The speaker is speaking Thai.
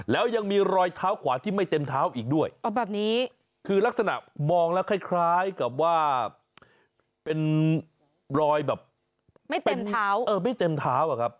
แล้วยังมีรอยเท้าขวาที่ไม่เต็มเท้าอีกด้วยรักษณะมองละคล้ายกับว่าเป็นรอยไม่เต็มเท้า